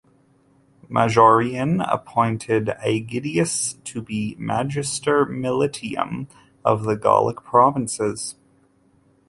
Majorian appointed Aegidius to be "magister militum" of the Gallic provinces.